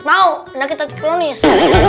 mau penyakit hati kronis